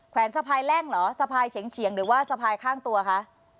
แวนสะพายแล่งเหรอสะพายเฉียงหรือว่าสะพายข้างตัวคะ